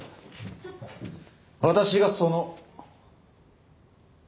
私がその。